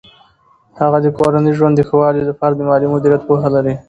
هغې د کورني ژوند د ښه والي لپاره د مالي مدیریت پوهه لري.